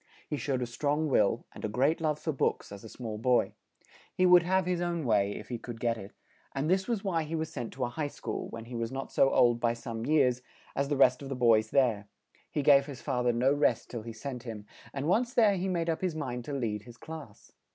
He showed a strong will, and a great love for books, as a small boy; he would have his own way, if he could get it; and this was why he was sent to a high school, when he was not so old by some years, as the rest of the boys there; he gave his fa ther no rest till he sent him; and once there he made up his mind to lead his class.